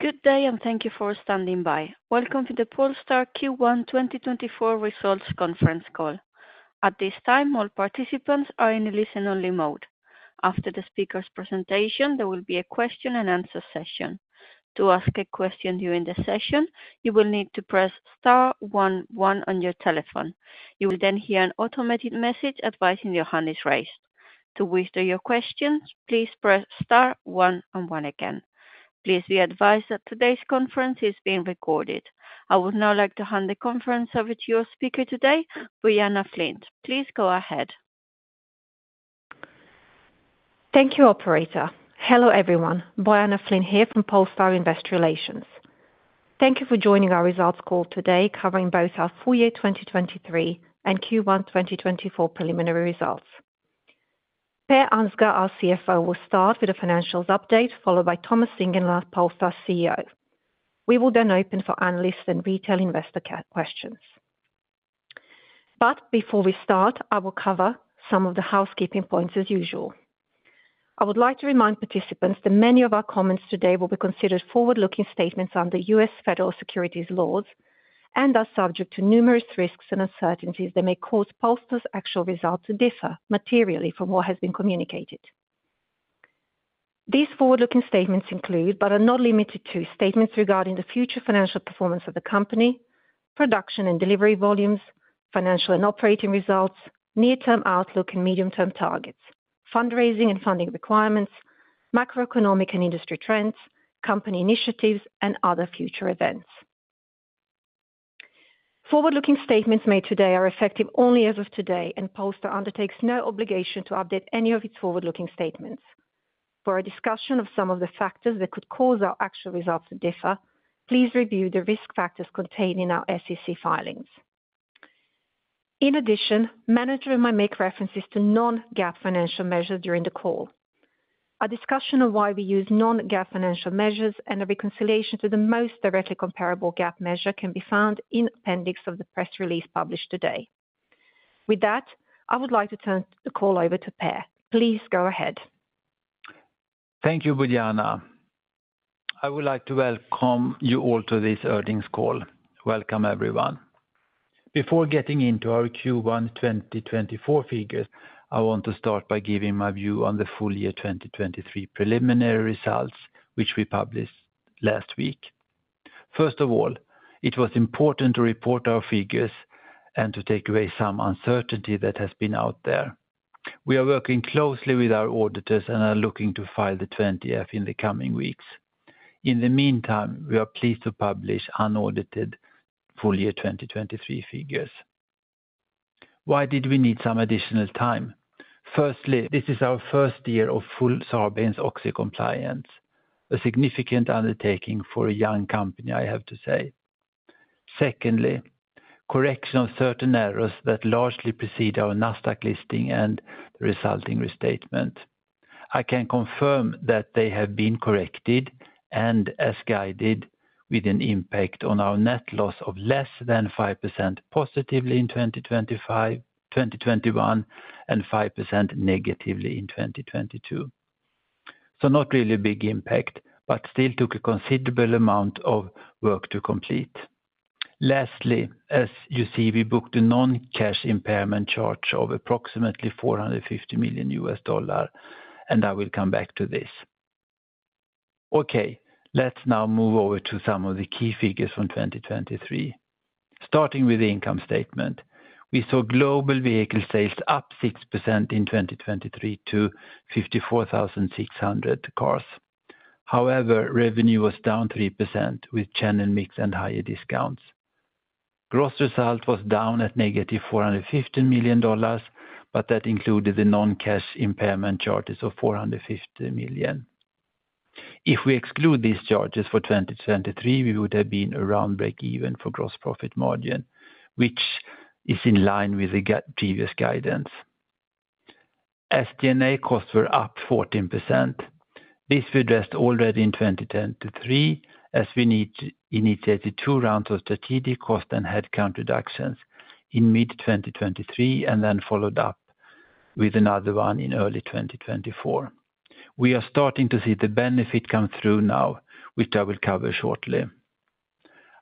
Good day, and thank you for standing by. Welcome to the Polestar Q1 2024 Results Conference Call. At this time, all participants are in listen-only mode. After the speaker's presentation, there will be a question-and-answer session. To ask a question during the session, you will need to press *11 on your telephone. You will then hear an automated message advising your hand is raised. To withdraw your questions, please press *11 again. Please be advised that today's conference is being recorded. I would now like to hand the conference over to your speaker today, Bojana Flint. Please go ahead. Thank you, Operator. Hello everyone, Bojana Flint here from Polestar Investor Relations. Thank you for joining our results call today covering both our full year 2023 and Q1 2024 preliminary results. Per Ansgar, our CFO, will start with a financials update, followed by Thomas Ingenlath, Polestar's CEO. We will then open for analysts and retail investor questions. Before we start, I will cover some of the housekeeping points as usual. I would like to remind participants that many of our comments today will be considered forward-looking statements under U.S. federal securities laws and are subject to numerous risks and uncertainties that may cause Polestar's actual results to differ materially from what has been communicated. These forward-looking statements include, but are not limited to, statements regarding the future financial performance of the company, production and delivery volumes, financial and operating results, near-term outlook and medium-term targets, fundraising and funding requirements, macroeconomic and industry trends, company initiatives, and other future events. Forward-looking statements made today are effective only as of today, and Polestar undertakes no obligation to update any of its forward-looking statements. For a discussion of some of the factors that could cause our actual results to differ, please review the risk factors contained in our SEC filings. In addition, management and I might make references to non-GAAP financial measures during the call. A discussion of why we use non-GAAP financial measures and a reconciliation to the most directly comparable GAAP measure can be found in the appendix of the press release published today. With that, I would like to turn the call over to Per. Please go ahead. Thank you, Bojana. I would like to welcome you all to this earnings call. Welcome, everyone. Before getting into our Q1 2024 figures, I want to start by giving my view on the full year 2023 preliminary results, which we published last week. First of all, it was important to report our figures and to take away some uncertainty that has been out there. We are working closely with our auditors and are looking to file the 20-F in the coming weeks. In the meantime, we are pleased to publish unaudited full year 2023 figures. Why did we need some additional time? Firstly, this is our first year of full Sarbanes-Oxley compliance, a significant undertaking for a young company, I have to say. Secondly, correction of certain errors that largely precede our Nasdaq listing and the resulting restatement. I can confirm that they have been corrected and as guided with an impact on our net loss of less than 5% positively in 2021 and 5% negatively in 2022. So, not really a big impact, but still took a considerable amount of work to complete. Lastly, as you see, we booked a non-cash impairment charge of approximately $450 million U.S. dollars, and I will come back to this. Okay, let's now move over to some of the key figures from 2023. Starting with the income statement, we saw global vehicle sales up 6% in 2023 to 54,600 cars. However, revenue was down 3% with channel mix and higher discounts. Gross result was down at negative $415 million, but that included the non-cash impairment charges of $450 million. If we exclude these charges for 2023, we would have been around break-even for gross profit margin, which is in line with the previous guidance. SG&A costs were up 14%. This, we addressed already in 2023 as we initiated two rounds of strategic cost and headcount reductions in mid-2023 and then followed up with another one in early 2024. We are starting to see the benefit come through now, which I will cover shortly.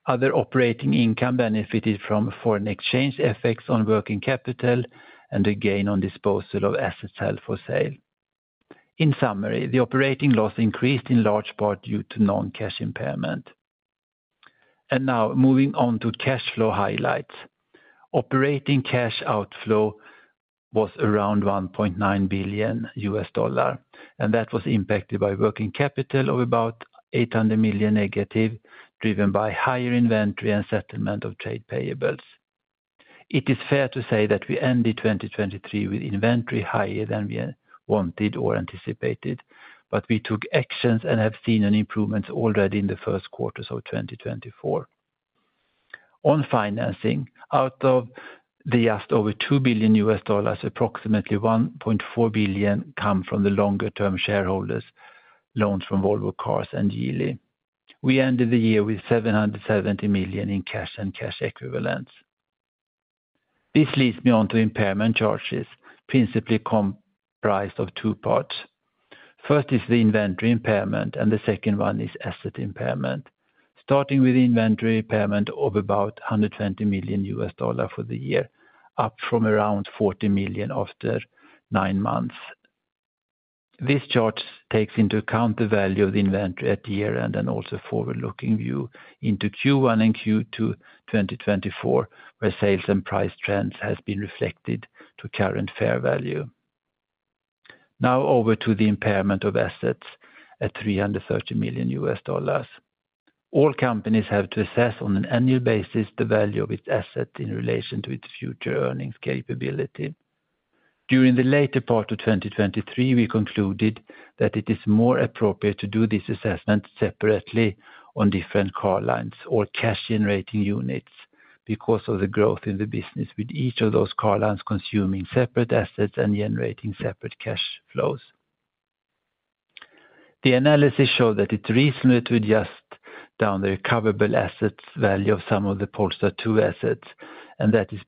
Other operating income benefited from foreign exchange effects on working capital and the gain on disposal of assets held for sale. In summary, the operating loss increased in large part due to non-cash impairment. Now moving on to cash flow highlights. Operating cash outflow was around $1.9 billion, and that was impacted by working capital of about $800 million negative, driven by higher inventory and settlement of trade payables. It is fair to say that we ended 2023 with inventory higher than we wanted or anticipated, but we took actions and have seen improvements already in the first quarters of 2024. On financing, out of the just over $2 billion, approximately $1.4 billion come from the longer-term shareholders' loans from Volvo Cars and Geely. We ended the year with $770 million in cash and cash equivalents. This leads me on to impairment charges, principally comprised of two parts. First is the inventory impairment, and the second one is asset impairment. Starting with the inventory impairment of about $120 million for the year, up from around $40 million after nine months. This charge takes into account the value of the inventory at year-end and also forward-looking view into Q1 and Q2 2024, where sales and price trends have been reflected to current fair value. Now over to the impairment of assets at $330 million. All companies have to assess on an annual basis the value of its assets in relation to its future earnings capability. During the later part of 2023, we concluded that it is more appropriate to do this assessment separately on different car lines or cash-generating units because of the growth in the business with each of those car lines consuming separate assets and generating separate cash flows. The analysis showed that it was reasonable to write down the recoverable assets value of some of the Polestar 2 assets, and that is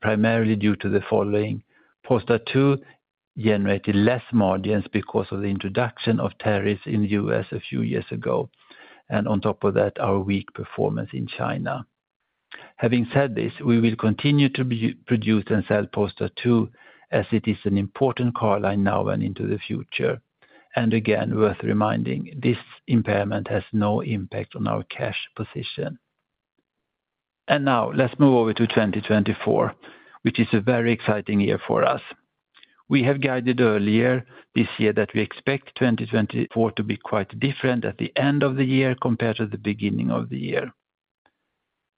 primarily due to the following: Polestar 2 generated less margins because of the introduction of tariffs in the U.S. a few years ago, and on top of that, our weak performance in China. Having said this, we will continue to produce and sell Polestar 2 as it is an important car line now and into the future. Again, worth reminding, this impairment has no impact on our cash position. Now let's move over to 2024, which is a very exciting year for us. We have guided earlier this year that we expect 2024 to be quite different at the end of the year compared to the beginning of the year.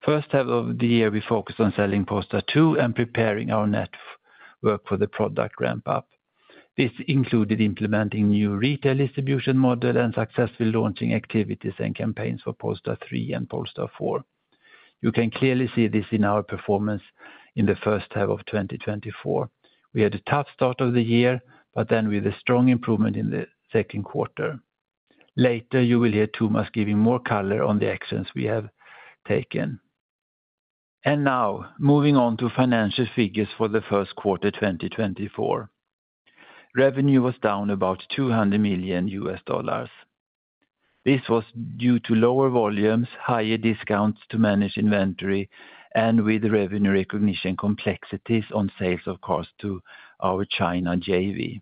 First half of the year, we focused on selling Polestar 2 and preparing our network for the product ramp-up. This included implementing new retail distribution models and successfully launching activities and campaigns for Polestar 3 and Polestar 4. You can clearly see this in our performance in the first half of 2024. We had a tough start of the year, but then with a strong improvement in the second quarter. Later, you will hear Thomas giving more color on the actions we have taken. Now moving on to financial figures for the first quarter 2024. Revenue was down about $200 million. This was due to lower volumes, higher discounts to managed inventory, and with revenue recognition complexities on sales of cars to our China JV.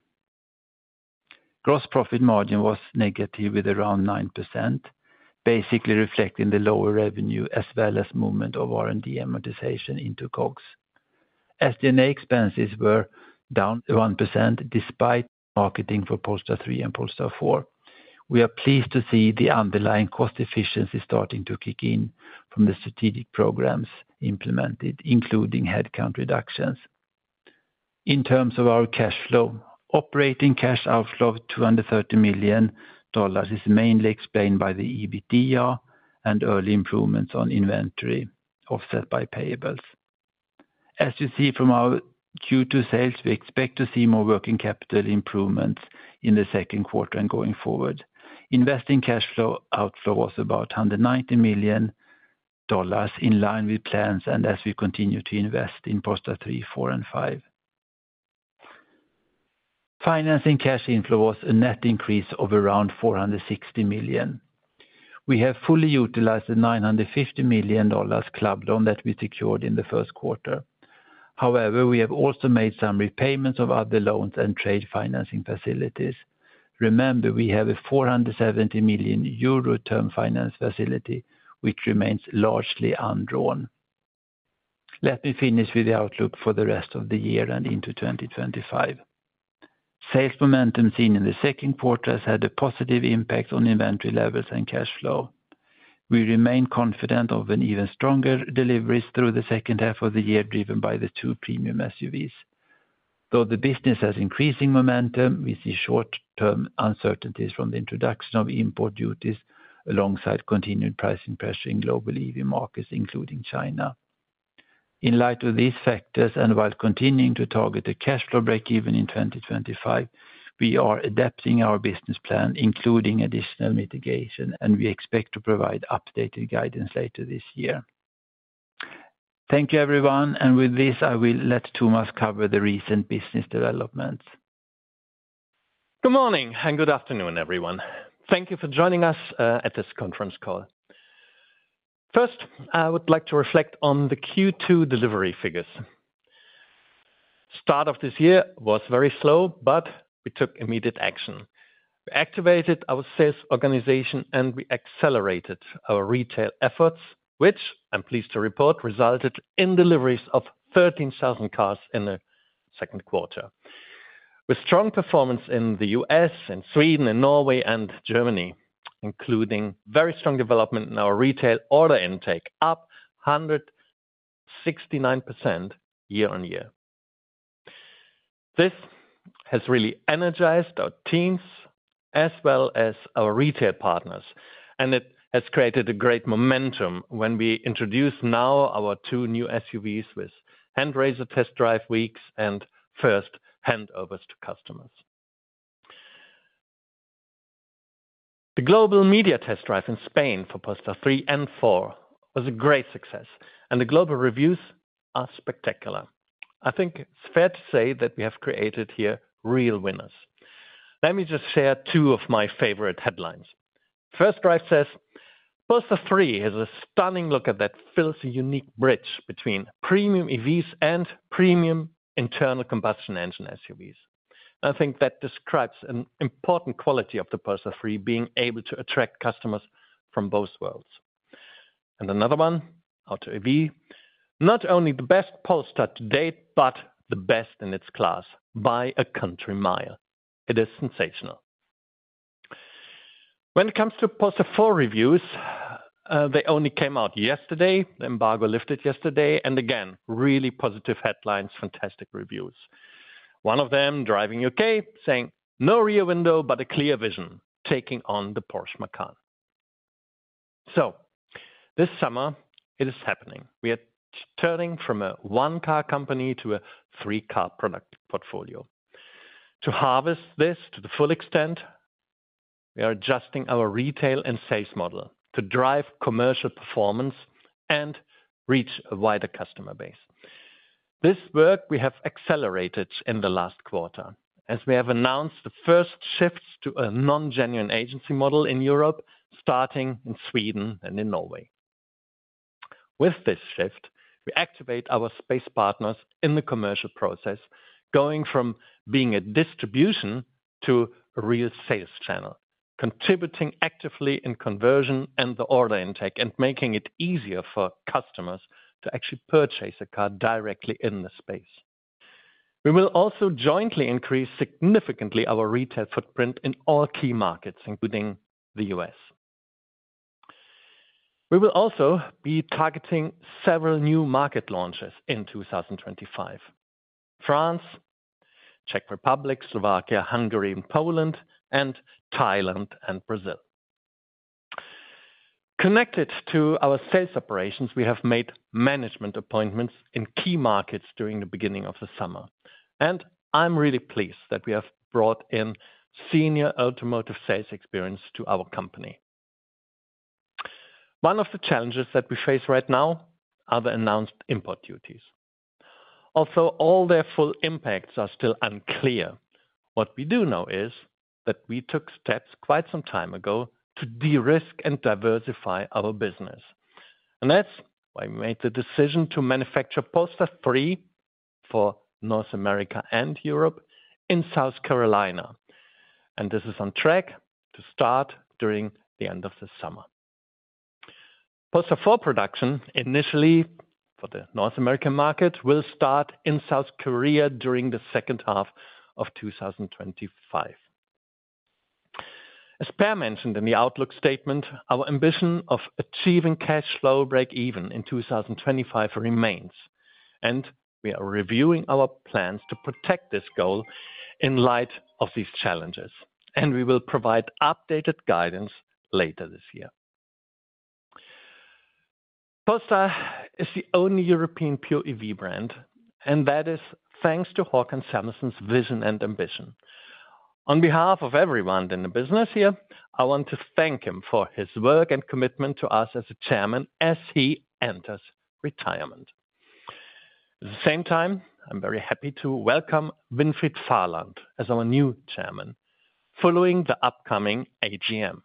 Gross profit margin was negative with around 9%, basically reflecting the lower revenue as well as movement of R&D amortization into COGS. SG&A expenses were down 1% despite marketing for Polestar 3 and Polestar 4. We are pleased to see the underlying cost efficiency starting to kick in from the strategic programs implemented, including headcount reductions. In terms of our cash flow, operating cash outflow of $230 million is mainly explained by the EBITDA and early improvements on inventory offset by payables. As you see from our Q2 sales, we expect to see more working capital improvements in the second quarter and going forward. Investing cash flow outflow was about $190 million in line with plans and as we continue to invest in Polestar 3, 4, and 5. Financing cash inflow was a net increase of around $460 million. We have fully utilized the $950 million club loan that we secured in the first quarter. However, we have also made some repayments of other loans and trade financing facilities. Remember, we have a €470 million term finance facility, which remains largely undrawn. Let me finish with the outlook for the rest of the year and into 2025. Sales momentum seen in the second quarter has had a positive impact on inventory levels and cash flow. We remain confident of an even stronger delivery through the second half of the year driven by the two premium SUVs. Though the business has increasing momentum, we see short-term uncertainties from the introduction of import duties alongside continued pricing pressure in global EV markets, including China. In light of these factors, and while continuing to target a cash flow break-even in 2025, we are adapting our business plan, including additional mitigation, and we expect to provide updated guidance later this year. Thank you, everyone, and with this, I will let Thomas cover the recent business developments. Good morning and good afternoon, everyone. Thank you for joining us at this conference call. First, I would like to reflect on the Q2 delivery figures. Start of this year was very slow, but we took immediate action. We activated our sales organization and we accelerated our retail efforts, which I'm pleased to report resulted in deliveries of 13,000 cars in the second quarter. With strong performance in the U.S. and Sweden and Norway and Germany, including very strong development in our retail order intake, up 169% year-over-year. This has really energized our teams as well as our retail partners, and it has created a great momentum when we introduce now our two new SUVs with hand-raiser test drive weeks and first handovers to customers. The global media test drive in Spain for Polestar 3 and 4 was a great success, and the global reviews are spectacular. I think it's fair to say that we have created here real winners. Let me just share two of my favorite headlines. First drive says, "Polestar 3 has a stunning look at that fills a unique bridge between premium EVs and premium internal combustion engine SUVs." I think that describes an important quality of the Polestar 3 being able to attract customers from both worlds. And another one, "Auto EV, not only the best Polestar to date, but the best in its class by a country mile." It is sensational. When it comes to Polestar 4 reviews, they only came out yesterday. The embargo lifted yesterday, and again, really positive headlines, fantastic reviews. One of them, "Driving UK," saying, "No rear window, but a clear vision, taking on the Porsche Macan." So this summer, it is happening. We are turning from a one-car company to a three-car product portfolio. To harvest this to the full extent, we are adjusting our retail and sales model to drive commercial performance and reach a wider customer base. This work we have accelerated in the last quarter as we have announced the first shifts to a non-genuine agency model in Europe, starting in Sweden and in Norway. With this shift, we activate our space partners in the commercial process, going from being a distribution to a real sales channel, contributing actively in conversion and the order intake and making it easier for customers to actually purchase a car directly in the space. We will also jointly increase significantly our retail footprint in all key markets, including the U.S. We will also be targeting several new market launches in 2025: France, Czech Republic, Slovakia, Hungary, and Poland, and Thailand and Brazil. Connected to our sales operations, we have made management appointments in key markets during the beginning of the summer, and I'm really pleased that we have brought in senior automotive sales experience to our company. One of the challenges that we face right now are the announced import duties. Although all their full impacts are still unclear, what we do know is that we took steps quite some time ago to de-risk and diversify our business. That's why we made the decision to manufacture Polestar 3 for North America and Europe in South Carolina. This is on track to start during the end of the summer. Polestar 4 production, initially for the North American market, will start in South Korea during the second half of 2025. As Per mentioned in the outlook statement, our ambition of achieving cash flow break-even in 2025 remains, and we are reviewing our plans to protect this goal in light of these challenges, and we will provide updated guidance later this year. Polestar is the only European pure EV brand, and that is thanks to Håkan Samuelsson's vision and ambition. On behalf of everyone in the business here, I want to thank him for his work and commitment to us as a chairman as he enters retirement. At the same time, I'm very happy to welcome Winfried Vahland as our new chairman following the upcoming AGM.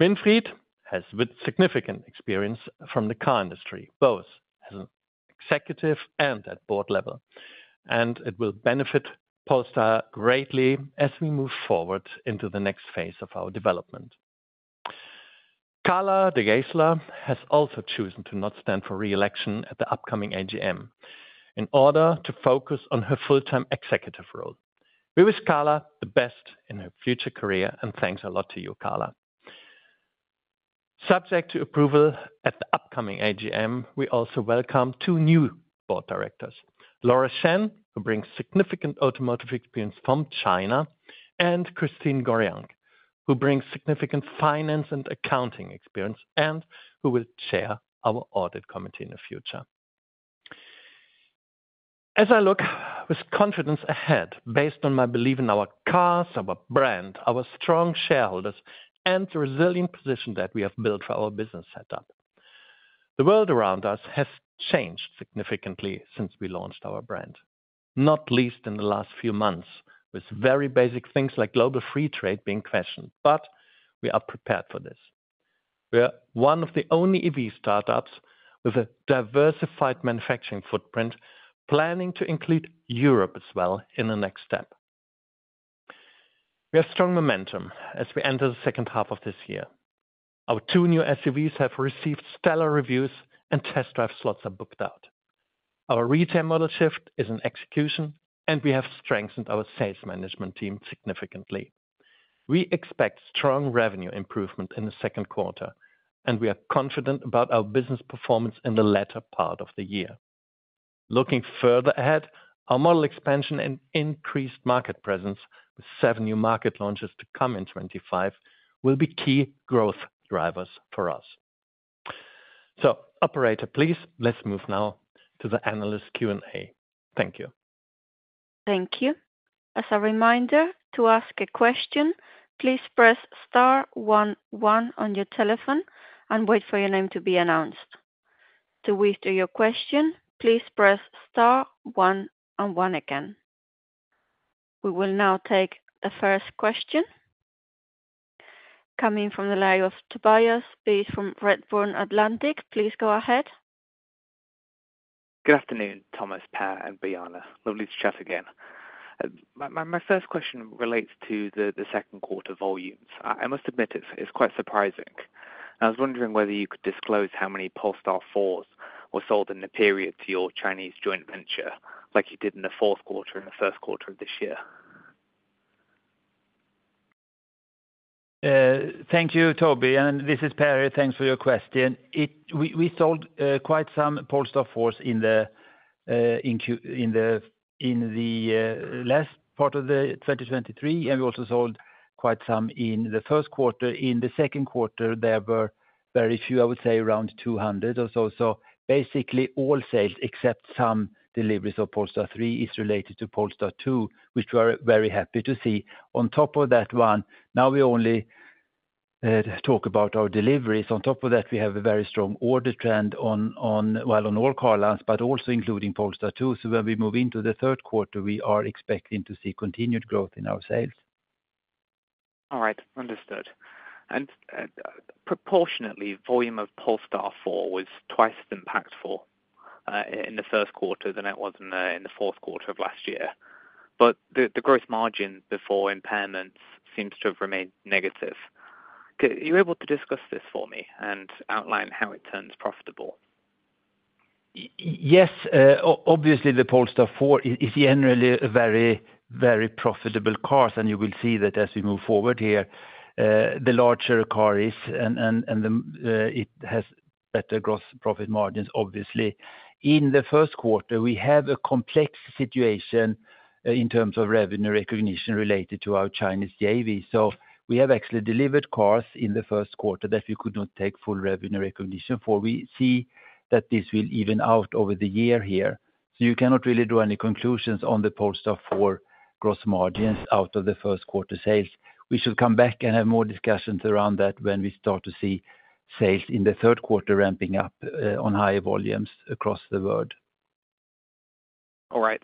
Winfried has significant experience from the car industry, both as an executive and at board level, and it will benefit Polestar greatly as we move forward into the next phase of our development. Carla De Geyseleer has also chosen to not stand for re-election at the upcoming AGM in order to focus on her full-time executive role. We wish Karla the best in her future career, and thanks a lot to you, Karla. Subject to approval at the upcoming AGM, we also welcome two new board directors, Laura Shen, who brings significant automotive experience from China, and Christine Gorjanc, who brings significant finance and accounting experience and who will chair our audit committee in the future. As I look with confidence ahead, based on my belief in our cars, our brand, our strong shareholders, and the resilient position that we have built for our business setup, the world around us has changed significantly since we launched our brand, not least in the last few months with very basic things like global free trade being questioned, but we are prepared for this. We are one of the only EV startups with a diversified manufacturing footprint planning to include Europe as well in the next step. We have strong momentum as we enter the second half of this year. Our two new SUVs have received stellar reviews and test drive slots are booked out. Our retail model shift is in execution, and we have strengthened our sales management team significantly. We expect strong revenue improvement in the second quarter, and we are confident about our business performance in the latter part of the year. Looking further ahead, our model expansion and increased market presence with seven new market launches to come in 2025 will be key growth drivers for us. So, operator, please, let's move now to the analyst Q&A. Thank you. Thank you. As a reminder to ask a question, please press star one one on your telephone and wait for your name to be announced. To withdraw your question, please press star one and one again. We will now take the first question coming from the line of Tobias Byth from Redburn Atlantic. Please go ahead. Good afternoon, Thomas, Per, and Bojana. Lovely to chat again. My first question relates to the second quarter volumes. I must admit it's quite surprising. I was wondering whether you could disclose how many Polestar 4s were sold in the period to your Chinese joint venture like you did in the fourth quarter and the first quarter of this year? Thank you, Toby. And this is Per. Thanks for your question. We sold quite some Polestar 4s in the last part of 2023, and we also sold quite some in the first quarter. In the second quarter, there were very few, I would say around 200 or so. So basically, all sales except some deliveries of Polestar 3 is related to Polestar 2, which we are very happy to see. On top of that one, now we only talk about our deliveries. On top of that, we have a very strong order trend on, well, on all car lines, but also including Polestar 2. So when we move into the third quarter, we are expecting to see continued growth in our sales. All right, understood. Proportionately, volume of Polestar 4 was twice as impactful in the first quarter than it was in the fourth quarter of last year. The gross margin before impairments seems to have remained negative. Are you able to discuss this for me and outline how it turns profitable? Yes, obviously, the Polestar 4 is generally a very, very profitable car, and you will see that as we move forward here, the larger the car is, and it has better gross profit margins, obviously. In the first quarter, we have a complex situation in terms of revenue recognition related to our Chinese JV. So we have actually delivered cars in the first quarter that we could not take full revenue recognition for. We see that this will even out over the year here. So you cannot really draw any conclusions on the Polestar 4 gross margins out of the first quarter sales. We should come back and have more discussions around that when we start to see sales in the third quarter ramping up on higher volumes across the world. All right.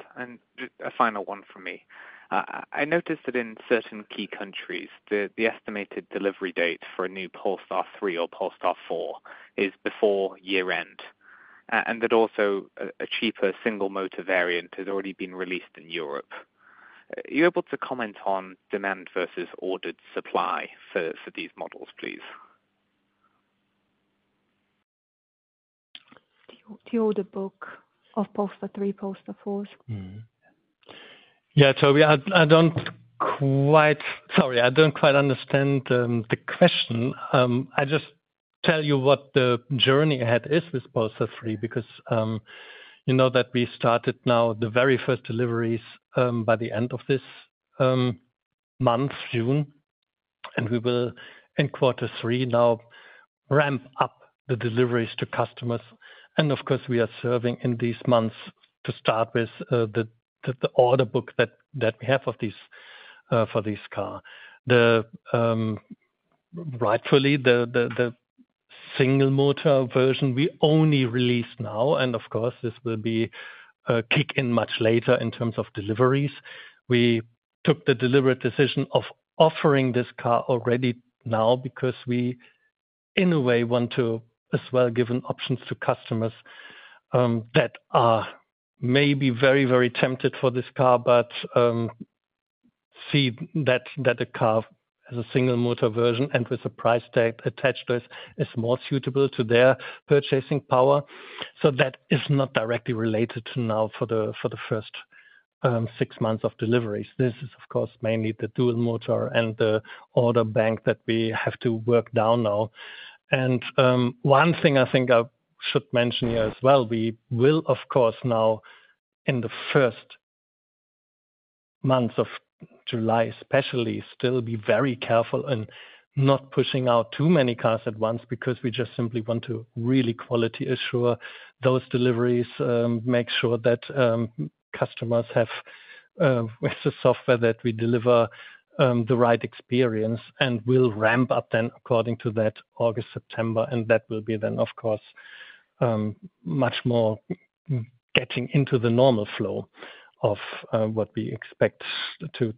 A final one from me. I noticed that in certain key countries, the estimated delivery date for a new Polestar 3 or Polestar 4 is before year-end, and that also a cheaper single-motor variant has already been released in Europe. Are you able to comment on demand versus ordered supply for these models, please? Do you order bulk of Polestar 3, Polestar 4s? Yeah, Toby, I don't quite, sorry, I don't quite understand the question. I'll just tell you what the journey ahead is with Polestar 3 because you know that we started now the very first deliveries by the end of this month, June, and we will, in quarter three, now ramp up the deliveries to customers. And of course, we are serving in these months to start with the order book that we have for this car. Rightfully, the single-motor version we only release now, and of course, this will be a kick-in much later in terms of deliveries. We took the deliberate decision of offering this car already now because we, in a way, want to as well give options to customers that are maybe very, very tempted for this car, but see that a car as a single-motor version and with a price tag attached to it is more suitable to their purchasing power. That is not directly related to now for the first six months of deliveries. This is, of course, mainly the dual-motor and the order bank that we have to work down now. One thing I think I should mention here as well, we will, of course, now in the first months of July, especially, still be very careful in not pushing out too many cars at once because we just simply want to really quality assure those deliveries, make sure that customers have the software that we deliver, the right experience, and we'll ramp up then according to that August, September, and that will be then, of course, much more getting into the normal flow of what we expect to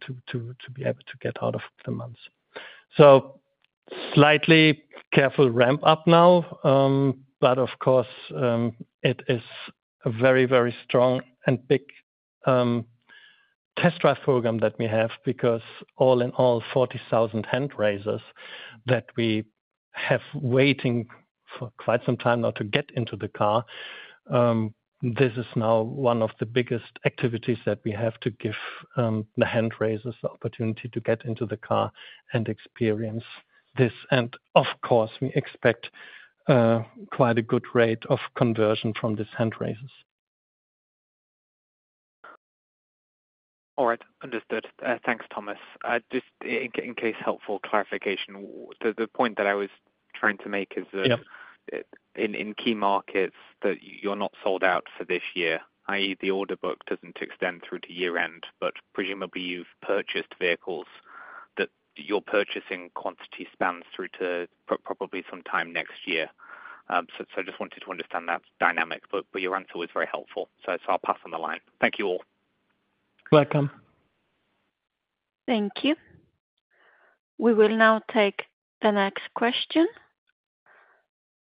be able to get out of the months. Slightly careful ramp-up now, but of course, it is a very, very strong and big test drive program that we have because all in all, 40,000 hand raisers that we have waiting for quite some time now to get into the car. This is now one of the biggest activities that we have to give the hand raisers the opportunity to get into the car and experience this. Of course, we expect quite a good rate of conversion from these hand raisers. All right, understood. Thanks, Thomas. Just in case, helpful clarification, the point that I was trying to make is that in key markets that you're not sold out for this year, i.e., the order book doesn't extend through to year-end, but presumably you've purchased vehicles that your purchasing quantity spans through to probably sometime next year. So I just wanted to understand that dynamic, but your answer was very helpful. So I'll pass on the line. Thank you all. Welcome. Thank you. We will now take the next question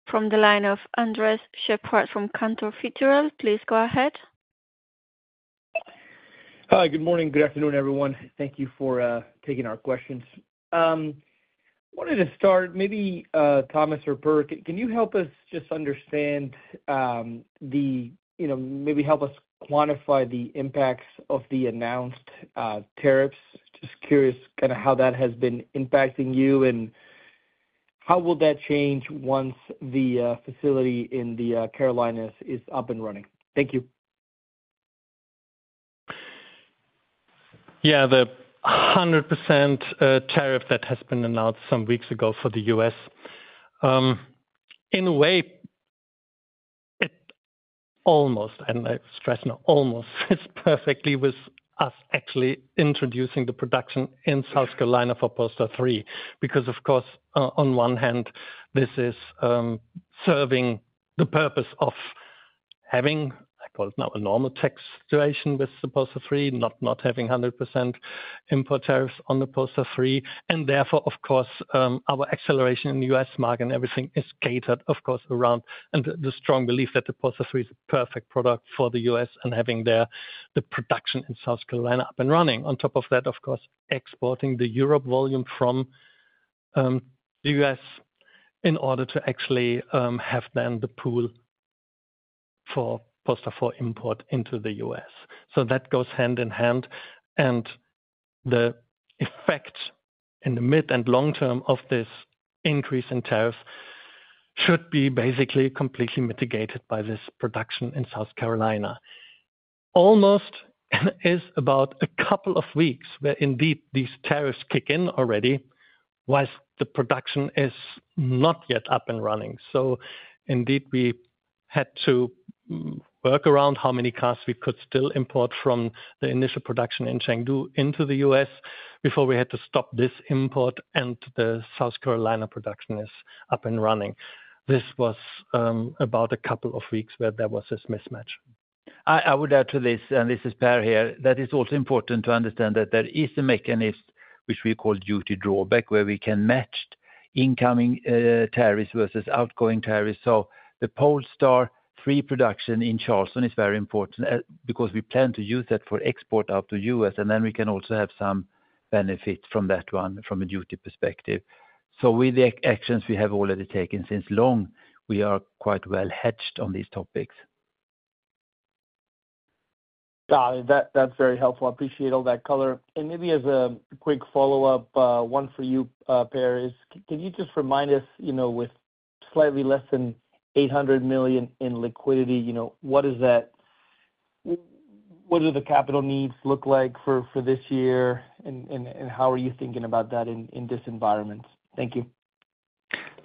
from the line of Andres Sheppard from Cantor Fitzgerald. Please go ahead. Hi, good morning, good afternoon, everyone. Thank you for taking our questions. I wanted to start, maybe Thomas or Per, can you help us just understand, maybe help us quantify the impacts of the announced tariffs? Just curious kind of how that has been impacting you and how will that change once the facility in the Carolinas is up and running? Thank you. Yeah, the 100% tariff that has been announced some weeks ago for the U.S., in a way, it almost, and I stress now, almost fits perfectly with us actually introducing the production in South Carolina for Polestar 3 because, of course, on one hand, this is serving the purpose of having, I call it now, a normal tax situation with the Polestar 3, not having 100% import tariffs on the Polestar 3. And therefore, of course, our acceleration in the U.S. market and everything is catered, of course, around the strong belief that the Polestar 3 is a perfect product for the U.S. and having the production in South Carolina up and running. On top of that, of course, exporting the Europe volume from the U.S. in order to actually have then the pool for Polestar 4 import into the U.S. So that goes hand in hand, and the effect in the mid and long term of this increase in tariffs should be basically completely mitigated by this production in South Carolina. Almost, it's about a couple of weeks where indeed these tariffs kick in already while the production is not yet up and running. So indeed, we had to work around how many cars we could still import from the initial production in Chengdu into the U.S. before we had to stop this import and the South Carolina production is up and running. This was about a couple of weeks where there was this mismatch. I would add to this, and this is Per here, that it's also important to understand that there is a mechanism which we call duty drawback where we can match incoming tariffs versus outgoing tariffs. So the Polestar 3 production in Charleston is very important because we plan to use that for export out to the U.S., and then we can also have some benefit from that one from a duty perspective. So with the actions we have already taken since long, we are quite well hedged on these topics. That's very helpful. I appreciate all that color. Maybe as a quick follow-up, one for you, Per, is can you just remind us with slightly less than $800 million in liquidity, what is that? What do the capital needs look like for this year, and how are you thinking about that in this environment? Thank you.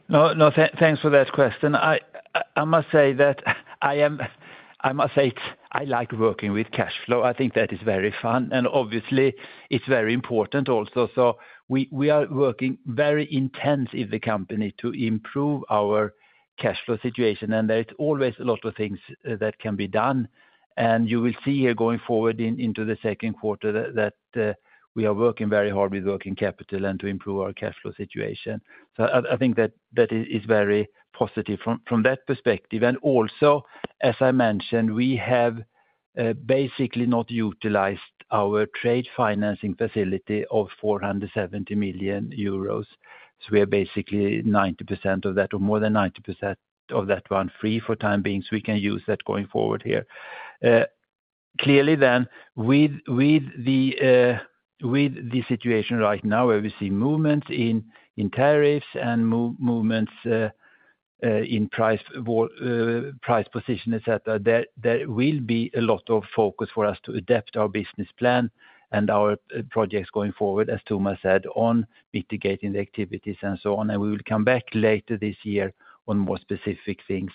No, thanks for that question. I must say that I am, I must say, I like working with cash flow. I think that is very fun, and obviously, it's very important also. So we are working very intensively as a company to improve our cash flow situation, and there is always a lot of things that can be done. And you will see here going forward into the second quarter that we are working very hard with working capital and to improve our cash flow situation. So I think that is very positive from that perspective. And also, as I mentioned, we have basically not utilized our trade financing facility of 470 million euros. So we are basically 90% of that or more than 90% of that one free for the time being, so we can use that going forward here. Clearly then, with the situation right now where we see movements in tariffs and movements in price position, etc., there will be a lot of focus for us to adapt our business plan and our projects going forward, as Thomas said, on mitigating the activities and so on. We will come back later this year on more specific things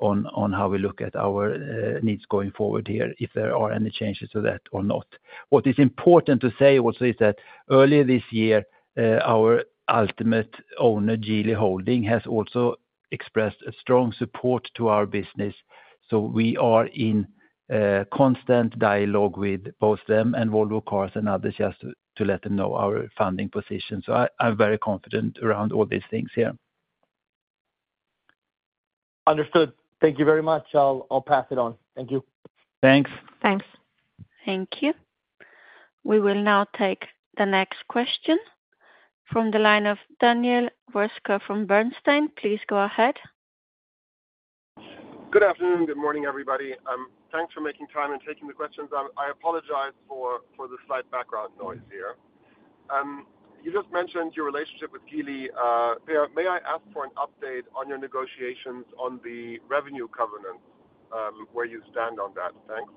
on how we look at our needs going forward here, if there are any changes to that or not. What is important to say also is that earlier this year, our ultimate owner, Geely Holding, has also expressed strong support to our business. We are in constant dialogue with both them and Volvo Cars and others just to let them know our funding position. I'm very confident around all these things here. Understood. Thank you very much. I'll pass it on. Thank you. Thanks. Thanks. Thank you. We will now take the next question from the line of Daniel Roeska from Bernstein. Please go ahead. Good afternoon, good morning, everybody. Thanks for making time and taking the questions. I apologize for the slight background noise here. You just mentioned your relationship with Geely. Per, may I ask for an update on your negotiations on the revenue covenants? Where you stand on that? Thanks.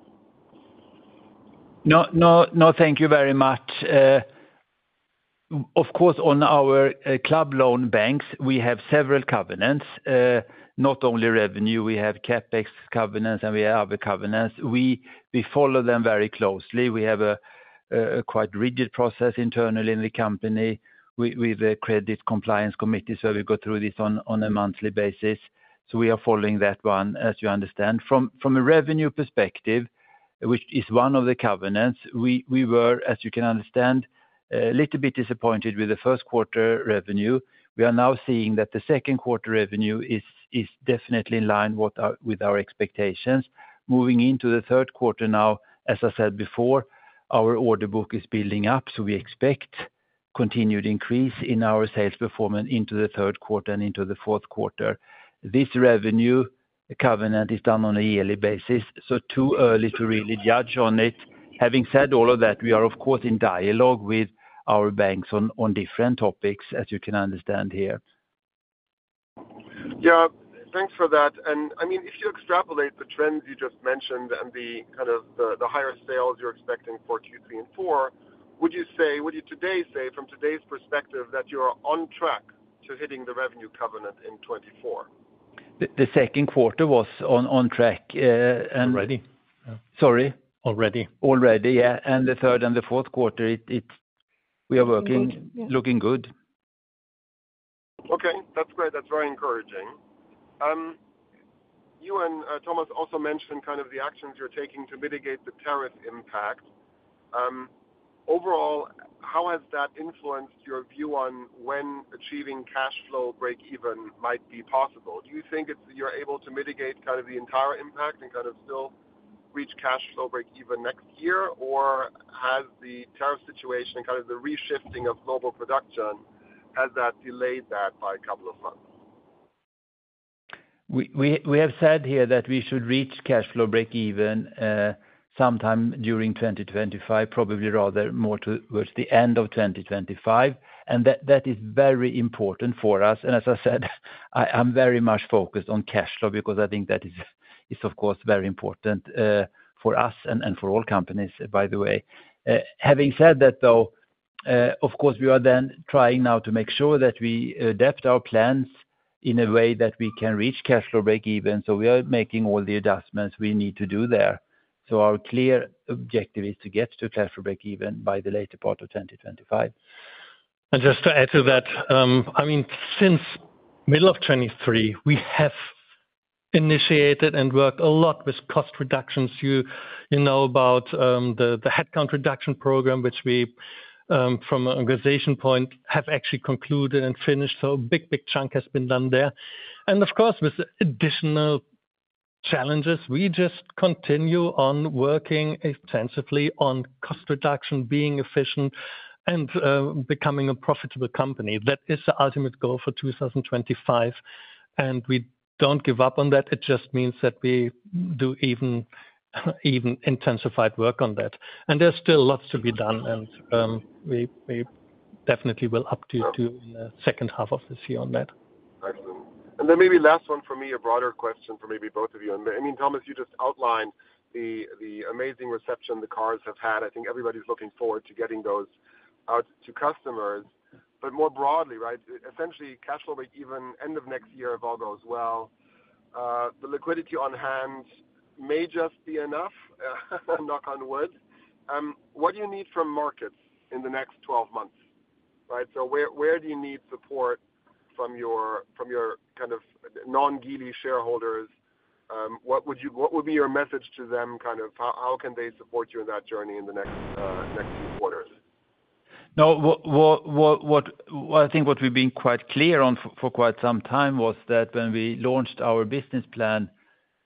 No, no, thank you very much. Of course, on our club loan banks, we have several covenants, not only revenue. We have CapEx covenants, and we have other covenants. We follow them very closely. We have a quite rigid process internally in the company with the credit compliance committees where we go through this on a monthly basis. So we are following that one, as you understand. From a revenue perspective, which is one of the covenants, we were, as you can understand, a little bit disappointed with the first quarter revenue. We are now seeing that the second quarter revenue is definitely in line with our expectations. Moving into the third quarter now, as I said before, our order book is building up, so we expect continued increase in our sales performance into the third quarter and into the fourth quarter. This revenue covenant is done on a yearly basis, so too early to really judge on it. Having said all of that, we are, of course, in dialogue with our banks on different topics, as you can understand here. Yeah, thanks for that. And I mean, if you extrapolate the trends you just mentioned and the kind of the higher sales you're expecting for Q3 and 4, would you say, would you today say, from today's perspective, that you're on track to hitting the revenue covenant in 2024? The second quarter was on track. Already. Sorry? Already. Already, yeah. The third and the fourth quarter, we are working, looking good. Okay, that's great. That's very encouraging. You and Thomas also mentioned kind of the actions you're taking to mitigate the tariff impact. Overall, how has that influenced your view on when achieving cash flow break-even might be possible? Do you think you're able to mitigate kind of the entire impact and kind of still reach cash flow break-even next year, or has the tariff situation and kind of the reshifting of global production, has that delayed that by a couple of months? We have said here that we should reach cash flow break-even sometime during 2025, probably rather more towards the end of 2025. That is very important for us. And as I said, I'm very much focused on cash flow because I think that is, of course, very important for us and for all companies, by the way. Having said that, though, of course, we are then trying now to make sure that we adapt our plans in a way that we can reach cash flow break-even. So we are making all the adjustments we need to do there. So our clear objective is to get to cash flow break-even by the later part of 2025. And just to add to that, I mean, since middle of 2023, we have initiated and worked a lot with cost reductions. You know about the headcount reduction program, which we, from an organization point, have actually concluded and finished. So a big, big chunk has been done there. And of course, with additional challenges, we just continue on working extensively on cost reduction, being efficient, and becoming a profitable company. That is the ultimate goal for 2025. And we don't give up on that. It just means that we do even intensified work on that. And there's still lots to be done, and we definitely will update you in the second half of this year on that. Excellent. And then maybe last one for me, a broader question for maybe both of you. I mean, Thomas, you just outlined the amazing reception the cars have had. I think everybody's looking forward to getting those out to customers. But more broadly, right, essentially, cash flow break-even end of next year, if all goes well, the liquidity on hand may just be enough, knock on wood. What do you need from markets in the next 12 months? Right? So where do you need support from your kind of non-Geely shareholders? What would be your message to them? Kind of how can they support you in that journey in the next few quarters? No, I think what we've been quite clear on for quite some time was that when we launched our business plan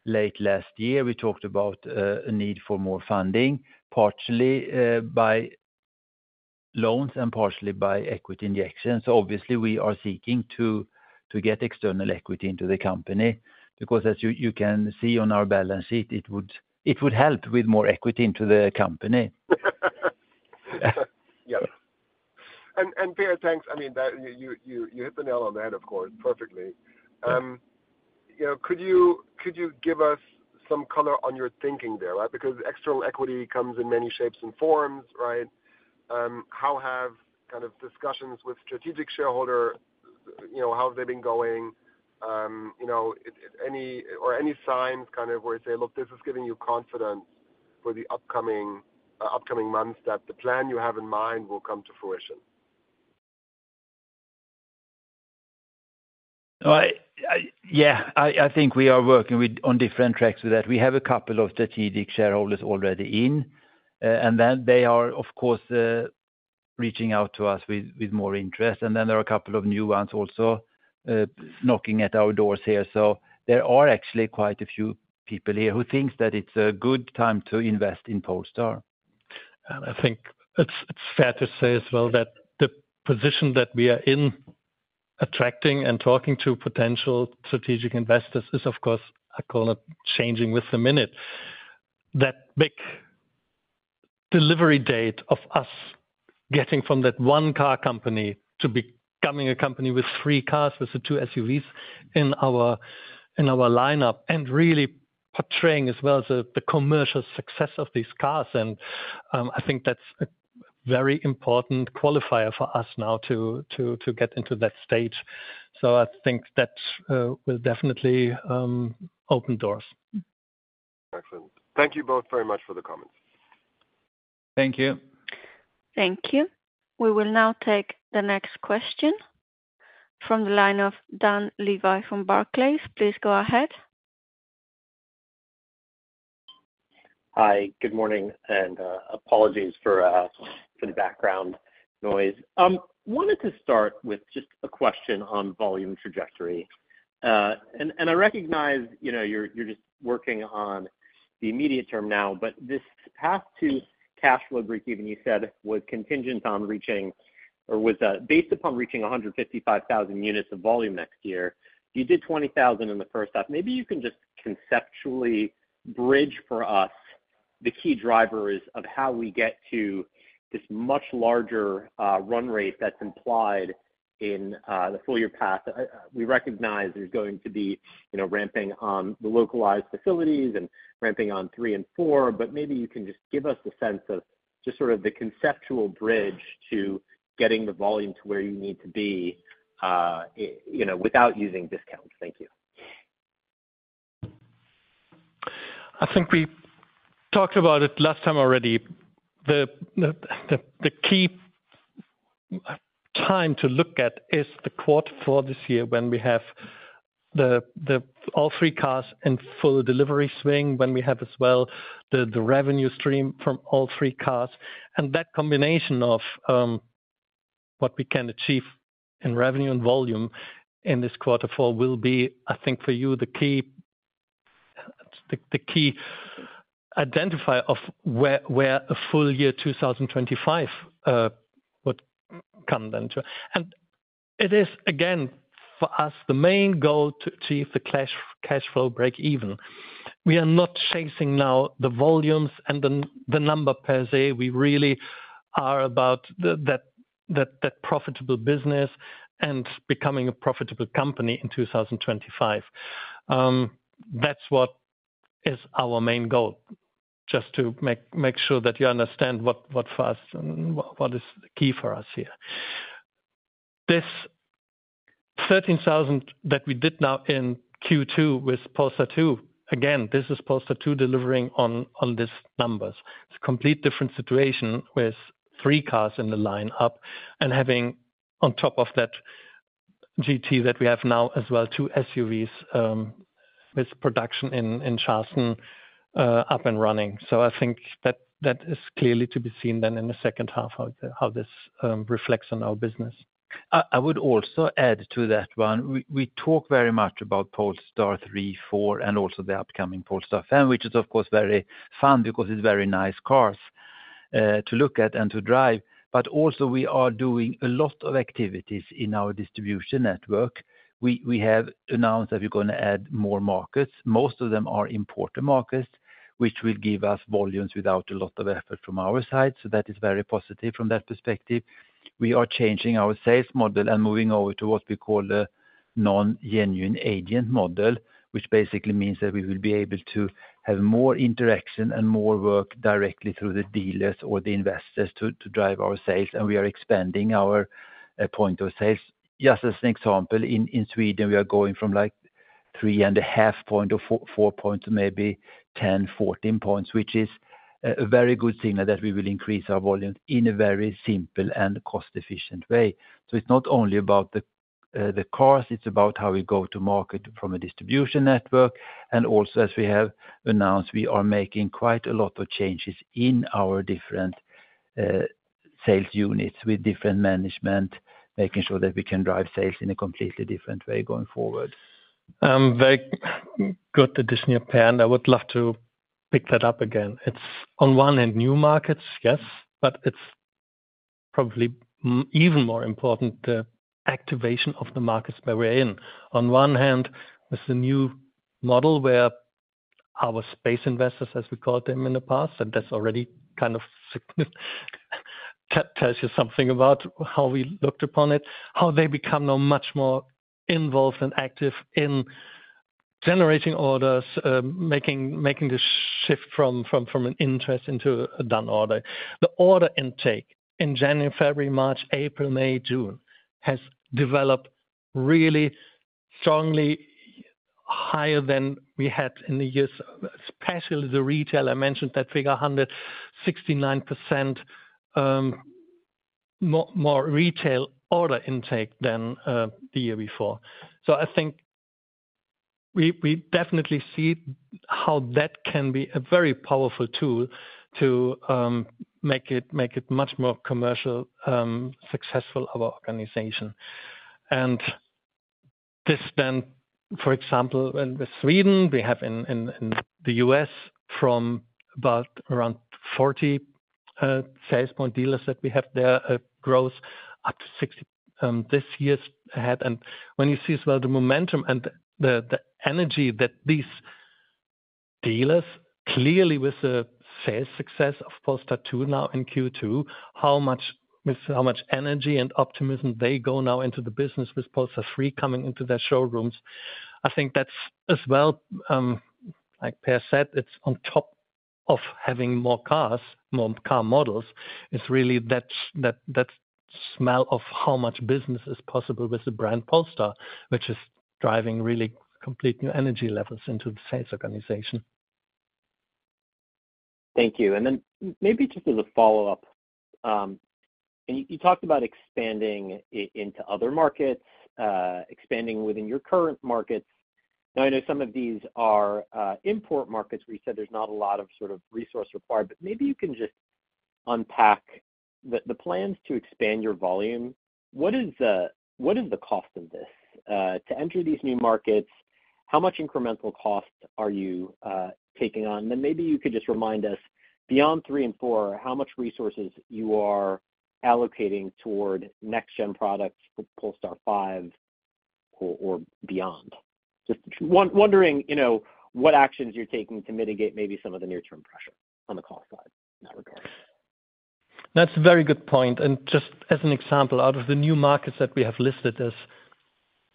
late last year, we talked about a need for more funding, partially by loans and partially by equity injection. So obviously, we are seeking to get external equity into the company because, as you can see on our balance sheet, it would help with more equity into the company. Yeah. And Per, thanks. I mean, you hit the nail on the head, of course, perfectly. Could you give us some color on your thinking there, right? Because external equity comes in many shapes and forms, right? How have kind of discussions with strategic shareholders, how have they been going? Or any signs kind of where you say, "Look, this is giving you confidence for the upcoming months that the plan you have in mind will come to fruition"? Yeah, I think we are working on different tracks with that. We have a couple of strategic shareholders already in, and then they are, of course, reaching out to us with more interest. And then there are a couple of new ones also knocking at our doors here. So there are actually quite a few people here who think that it's a good time to invest in Polestar. And I think it's fair to say as well that the position that we are in attracting and talking to potential strategic investors is, of course, I call it changing with the minute. That big delivery date of us getting from that one car company to becoming a company with three cars, with the two SUVs in our lineup, and really portraying as well as the commercial success of these cars. And I think that's a very important qualifier for us now to get into that stage. So I think that will definitely open doors. Excellent. Thank you both very much for the comments. Thank you. Thank you. We will now take the next question from the line of Dan Levy from Barclays. Please go ahead. Hi, good morning, and apologies for the background noise. I wanted to start with just a question on volume trajectory. I recognize you're just working on the immediate term now, but this path to cash flow break-even, you said, was contingent on reaching, or was based upon reaching 155,000 units of volume next year. You did 20,000 in the first half. Maybe you can just conceptually bridge for us the key drivers of how we get to this much larger run rate that's implied in the full year path. We recognize there's going to be ramping on the localized facilities and ramping on three and four, but maybe you can just give us a sense of just sort of the conceptual bridge to getting the volume to where you need to be without using discounts. Thank you. I think we talked about it last time already. The key time to look at is the quarter four this year when we have all three cars in full delivery swing, when we have as well the revenue stream from all three cars. And that combination of what we can achieve in revenue and volume in this quarter four will be, I think for you, the key identifier of where a full year 2025 would come then to. And it is, again, for us, the main goal to achieve the cash flow break-even. We are not chasing now the volumes and the number per se. We really are about that profitable business and becoming a profitable company in 2025. That's what is our main goal, just to make sure that you understand what first and what is key for us here. This 13,000 that we did now in Q2 with Polestar 2, again, this is Polestar 2 delivering on these numbers. It's a complete different situation with three cars in the lineup and having on top of that GT that we have now as well, two SUVs with production in Charleston up and running. So I think that is clearly to be seen then in the second half how this reflects on our business. I would also add to that one. We talk very much about Polestar 3, Polestar 4, and also the upcoming Polestar 5, which is, of course, very fun because it's very nice cars to look at and to drive. But also, we are doing a lot of activities in our distribution network. We have announced that we're going to add more markets. Most of them are important markets, which will give us volumes without a lot of effort from our side. So that is very positive from that perspective. We are changing our sales model and moving over to what we call the non-genuine agency model, which basically means that we will be able to have more interaction and more work directly through the dealers or the investors to drive our sales. And we are expanding our point of sales. Just as an example, in Sweden, we are going from like 3.5 points or 4 points to maybe 10-14 points, which is a very good signal that we will increase our volume in a very simple and cost-efficient way. So it's not only about the cars, it's about how we go to market from a distribution network. And also, as we have announced, we are making quite a lot of changes in our different sales units with different management, making sure that we can drive sales in a completely different way going forward. I'm very good at this inspiring. I would love to pick that up again. It's on one end new markets, yes, but it's probably even more important, the activation of the markets where we're in. On one hand, with the new model where our space investors, as we called them in the past, and that's already kind of tells you something about how we looked upon it, how they become now much more involved and active in generating orders, making the shift from an interest into a done order. The order intake in January, February, March, April, May, June has developed really strongly higher than we had in the years, especially the retail. I mentioned that figure, 169% more retail order intake than the year before. So I think we definitely see how that can be a very powerful tool to make it much more commercially successful, our organization. And this then, for example, with Sweden, we have in the U.S. from about around 40 sales point dealers that we have there, growth up to 60 this year ahead. And when you see as well the momentum and the energy that these dealers, clearly with the sales success of Polestar 2 now in Q2, how much energy and optimism they go now into the business with Polestar 3 coming into their showrooms. I think that's as well, like Per said, it's on top of having more cars, more car models. It's really that smell of how much business is possible with the brand Polestar, which is driving really complete new energy levels into the sales organization. Thank you. And then maybe just as a follow-up, you talked about expanding into other markets, expanding within your current markets. Now, I know some of these are import markets where you said there's not a lot of sort of resource required, but maybe you can just unpack the plans to expand your volume. What is the cost of this? To enter these new markets, how much incremental cost are you taking on? And then maybe you could just remind us, beyond 3 and 4, how much resources you are allocating toward next-gen products for Polestar 5 or beyond? Just wondering what actions you're taking to mitigate maybe some of the near-term pressure on the cost side in that regard. That's a very good point. And just as an example, out of the new markets that we have listed is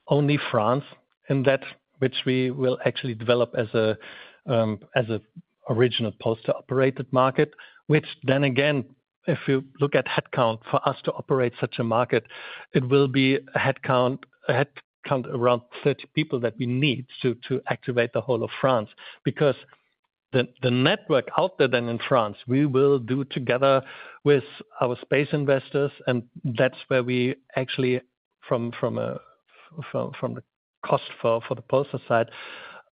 only France, in that which we will actually develop as an original Polestar-operated market, which then again, if you look at headcount for us to operate such a market, it will be a headcount around 30 people that we need to activate the whole of France. Because the network out there then in France, we will do together with our space investors, and that's where we actually, from the cost for the Polestar side,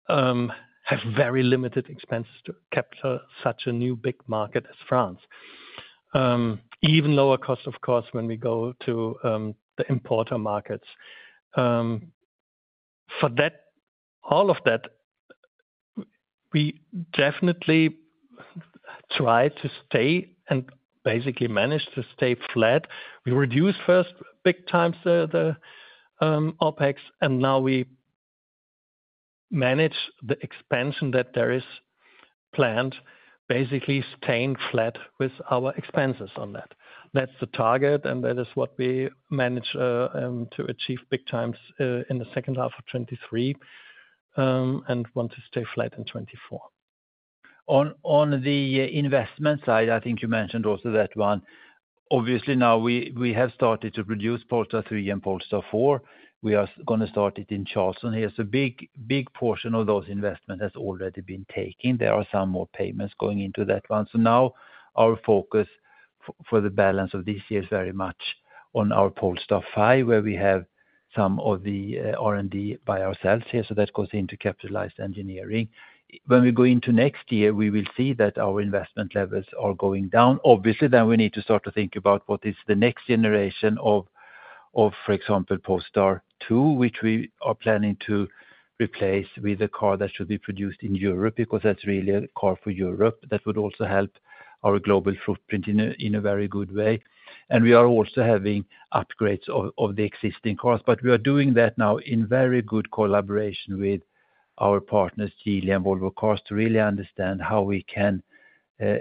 have very limited expenses to capture such a new big market as France. Even lower cost, of course, when we go to the importer markets. For all of that, we definitely try to stay and basically manage to stay flat. We reduced first big times the OpEx, and now we manage the expansion that there is planned, basically staying flat with our expenses on that. That's the target, and that is what we manage to achieve big times in the second half of 2023 and want to stay flat in 2024. On the investment side, I think you mentioned also that one. Obviously, now we have started to produce Polestar 3 and Polestar 4. We are going to start it in Charleston here. A big portion of those investments has already been taken. There are some more payments going into that one. Now our focus for the balance of this year is very much on our Polestar 5, where we have some of the R&D by ourselves here. That goes into capitalized engineering. When we go into next year, we will see that our investment levels are going down. Obviously, then we need to start to think about what is the next generation of, for example, Polestar 2, which we are planning to replace with a car that should be produced in Europe because that's really a car for Europe that would also help our global footprint in a very good way. And we are also having upgrades of the existing cars, but we are doing that now in very good collaboration with our partners, Geely and Volvo Cars, to really understand how we can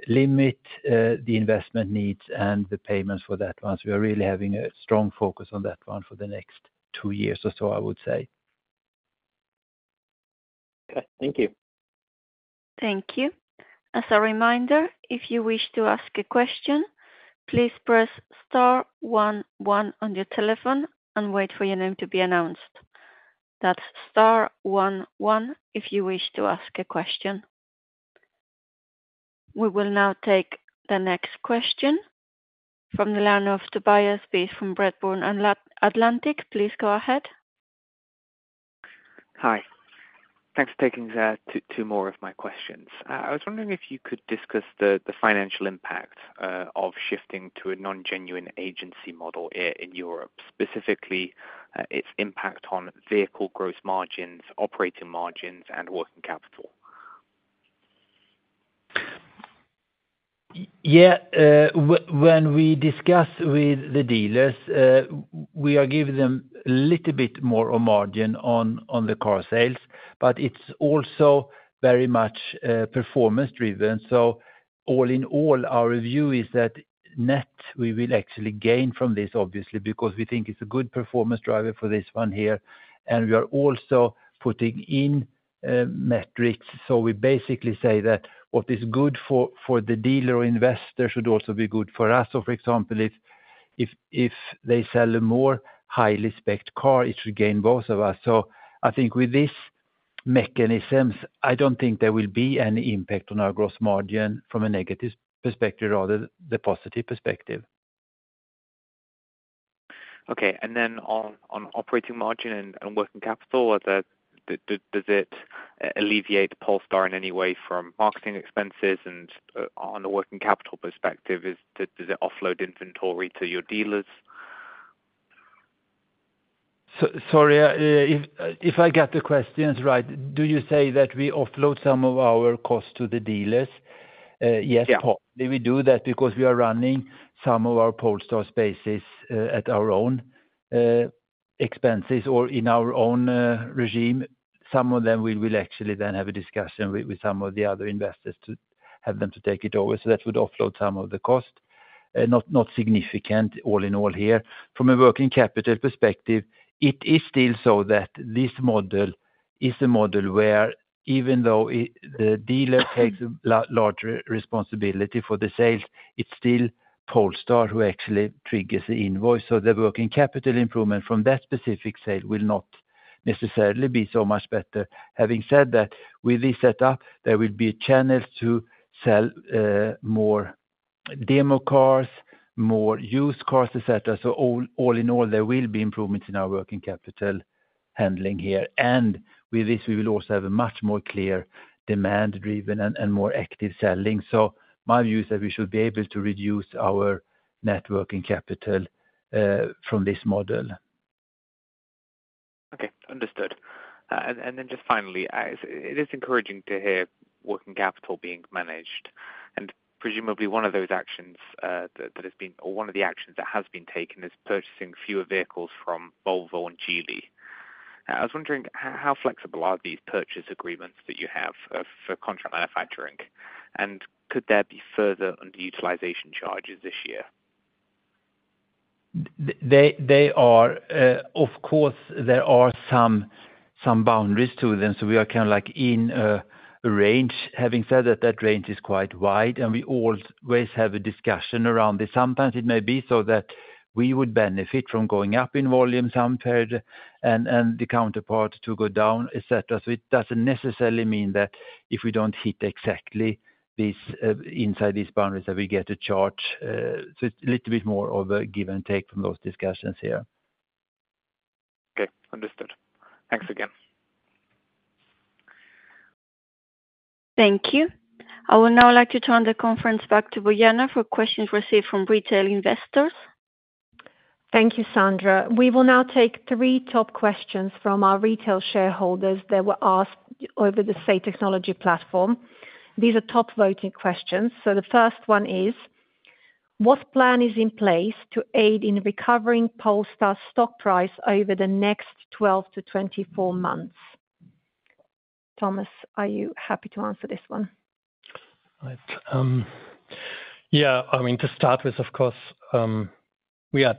limit the investment needs and the payments for that one. So we are really having a strong focus on that one for the next two years or so, I would say. Okay. Thank you. Thank you. As a reminder, if you wish to ask a question, please press star 11 on your telephone and wait for your name to be announced. That's star 11 if you wish to ask a question. We will now take the next question from the line of Tobias Beith from Redburn Atlantic. Please go ahead. Hi. Thanks for taking two more of my questions. I was wondering if you could discuss the financial impact of shifting to a non-genuine agency model in Europe, specifically its impact on vehicle gross margins, operating margins, and working capital. Yeah. When we discuss with the dealers, we are giving them a little bit more of margin on the car sales, but it's also very much performance-driven. So all in all, our view is that net we will actually gain from this, obviously, because we think it's a good performance driver for this one here. And we are also putting in metrics. So we basically say that what is good for the dealer or investor should also be good for us. So for example, if they sell a more highly specced car, it should gain both of us. So I think with these mechanisms, I don't think there will be any impact on our gross margin from a negative perspective rather than the positive perspective. Okay. And then on operating margin and working capital, does it alleviate Polestar in any way from marketing expenses? And on the working capital perspective, does it offload inventory to your dealers? Sorry, if I got the questions right, do you say that we offload some of our costs to the dealers? Yes, possibly we do that because we are running some of our Polestar spaces at our own expenses or in our own regime. Some of them we will actually then have a discussion with some of the other investors to have them take it over. So that would offload some of the cost, not significant all in all here. From a working capital perspective, it is still so that this model is a model where even though the dealer takes a larger responsibility for the sales, it's still Polestar who actually triggers the invoice. So the working capital improvement from that specific sale will not necessarily be so much better. Having said that, with this setup, there will be channels to sell more demo cars, more used cars, etc. All in all, there will be improvements in our working capital handling here. With this, we will also have a much more clear demand-driven and more active selling. My view is that we should be able to reduce our net working capital from this model. Okay. Understood. And then just finally, it is encouraging to hear working capital being managed. And presumably one of those actions that has been, or one of the actions that has been taken is purchasing fewer vehicles from Volvo and Geely. I was wondering how flexible are these purchase agreements that you have for contract manufacturing? And could there be further underutilization charges this year? They are. Of course, there are some boundaries to them. So we are kind of like in a range. Having said that, that range is quite wide, and we always have a discussion around this. Sometimes it may be so that we would benefit from going up in volume some period and the counterpart to go down, etc. So it doesn't necessarily mean that if we don't hit exactly inside these boundaries that we get a charge. So it's a little bit more of a give and take from those discussions here. Okay. Understood. Thanks again. Thank you. I would now like to turn the conference back to Bojana for questions received from retail investors. Thank you, Sandra. We will now take three top questions from our retail shareholders that were asked over the Say Technologies platform. These are top voting questions. So the first one is, what plan is in place to aid in recovering Polestar's stock price over the next 12-24 months? Thomas, are you happy to answer this one? Yeah. I mean, to start with, of course, we are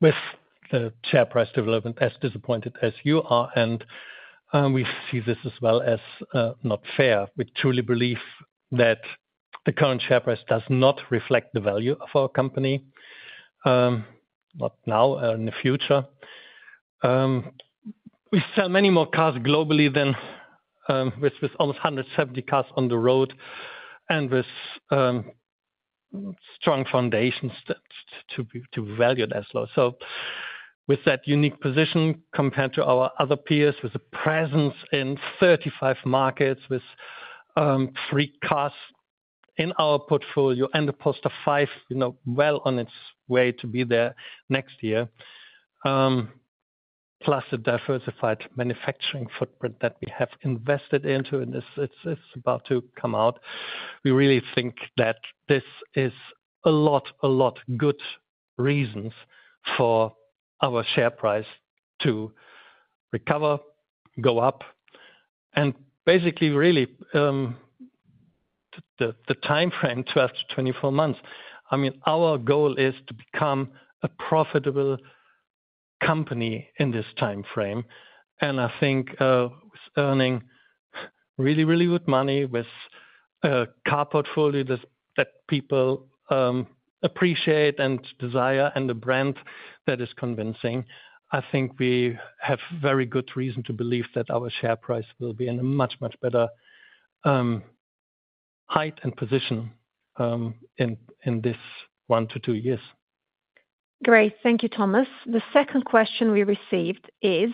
with the share price development as disappointed as you are, and we see this as well as not fair. We truly believe that the current share price does not reflect the value of our company, not now or in the future. We sell many more cars globally than with almost 170 cars on the road and with strong foundations to be valued as well. So with that unique position compared to our other peers, with a presence in 35 markets, with 3 cars in our portfolio and a Polestar 5 well on its way to be there next year, plus a diversified manufacturing footprint that we have invested into and it's about to come out, we really think that this is a lot, a lot of good reasons for our share price to recover, go up, and basically really the timeframe 12-24 months. I mean, our goal is to become a profitable company in this timeframe. And I think with earning really, really good money with a car portfolio that people appreciate and desire and a brand that is convincing, I think we have very good reason to believe that our share price will be in a much, much better height and position in this 1-2 years. Great. Thank you, Thomas. The second question we received is,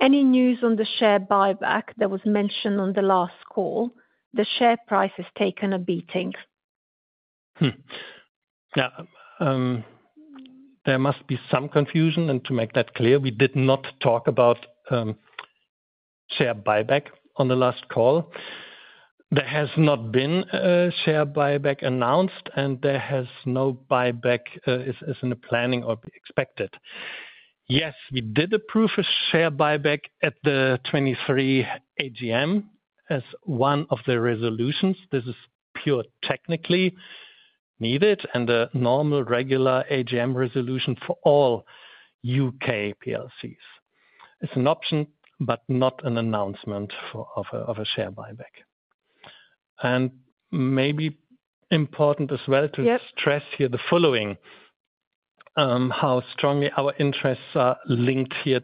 any news on the share buyback that was mentioned on the last call? The share price has taken a beating. Yeah. There must be some confusion. To make that clear, we did not talk about share buyback on the last call. There has not been a share buyback announced, and there has no buyback as in the planning or expected. Yes, we did approve a share buyback at the 2023 AGM as one of the resolutions. This is pure technically needed and a normal regular AGM resolution for all UK PLCs. It's an option, but not an announcement of a share buyback. And maybe important as well to stress here the following: how strongly our interests are linked here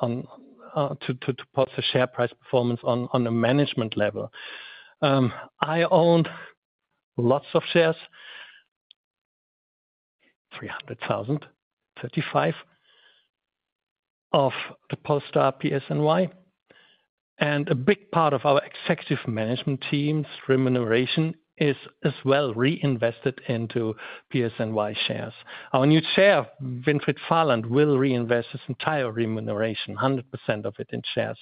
to Polestar share price performance on a management level. I own lots of shares, 300,035 of the Polestar PSNY. And a big part of our executive management team's remuneration is as well reinvested into PSNY shares. Our new Chair, Winfried Vahland, will reinvest his entire remuneration, 100% of it in shares,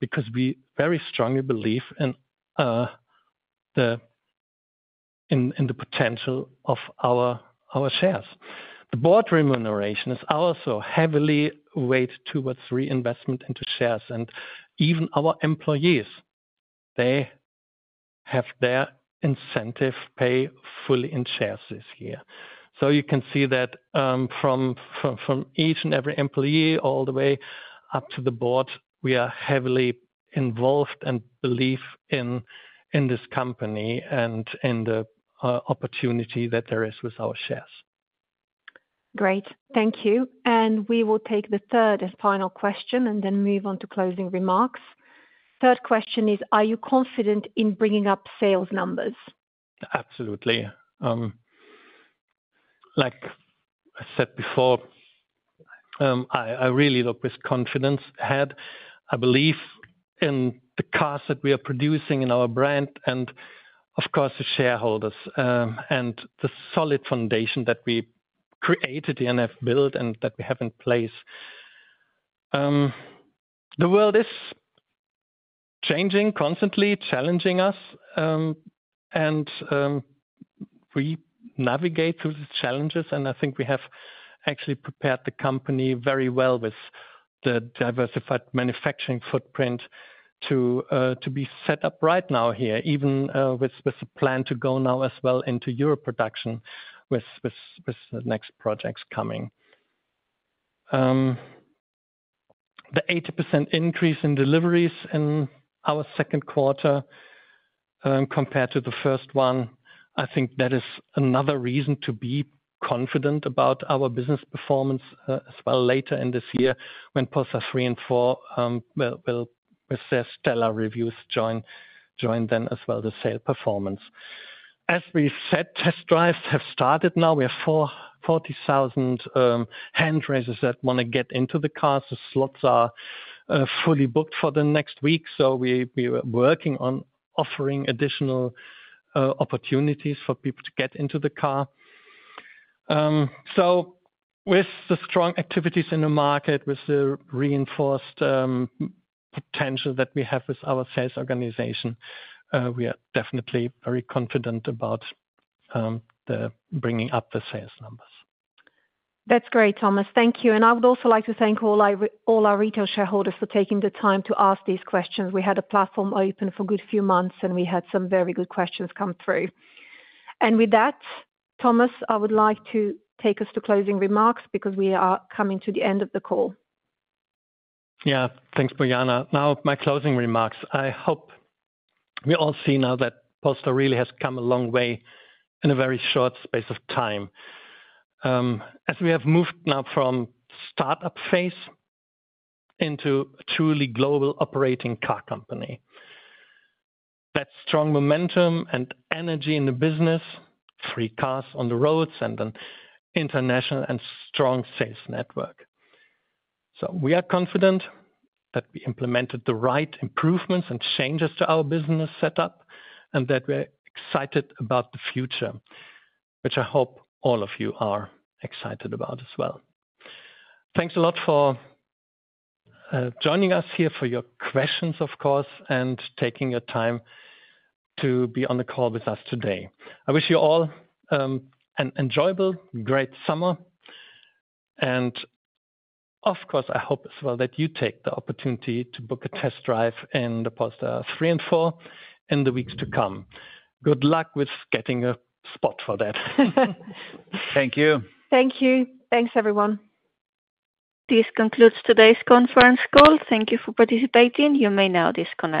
because we very strongly believe in the potential of our shares. The board remuneration is also heavily weighted towards reinvestment into shares. Even our employees, they have their incentive pay fully in shares this year. You can see that from each and every employee all the way up to the board, we are heavily involved and believe in this company and in the opportunity that there is with our shares. Great. Thank you. We will take the third and final question and then move on to closing remarks. Third question is, are you confident in bringing up sales numbers? Absolutely. Like I said before, I really look with confidence ahead. I believe in the cars that we are producing in our brand and, of course, the shareholders and the solid foundation that we created and have built and that we have in place. The world is changing constantly, challenging us, and we navigate through these challenges. And I think we have actually prepared the company very well with the diversified manufacturing footprint to be set up right now here, even with the plan to go now as well into Europe production with the next projects coming. The 80% increase in deliveries in our second quarter compared to the first one, I think that is another reason to be confident about our business performance as well later in this year when Polestar 3 and 4 will with their stellar reviews join then as well the sale performance. As we said, test drives have started now. We have 40,000 hand raises that want to get into the cars. The slots are fully booked for the next week. So we are working on offering additional opportunities for people to get into the car. So with the strong activities in the market, with the reinforced potential that we have with our sales organization, we are definitely very confident about bringing up the sales numbers. That's great, Thomas. Thank you. I would also like to thank all our retail shareholders for taking the time to ask these questions. We had a platform open for a good few months, and we had some very good questions come through. With that, Thomas, I would like to take us to closing remarks because we are coming to the end of the call. Yeah. Thanks, Bojana. Now, my closing remarks. I hope we all see now that Polestar really has come a long way in a very short space of time. As we have moved now from startup phase into a truly global operating car company, that strong momentum and energy in the business, three cars on the roads, and an international and strong sales network. We are confident that we implemented the right improvements and changes to our business setup and that we're excited about the future, which I hope all of you are excited about as well. Thanks a lot for joining us here for your questions, of course, and taking your time to be on the call with us today. I wish you all an enjoyable, great summer. Of course, I hope as well that you take the opportunity to book a test drive in the Polestar 3 and 4 in the weeks to come. Good luck with getting a spot for that. Thank you. Thank you. Thanks, everyone. This concludes today's conference call. Thank you for participating. You may now disconnect.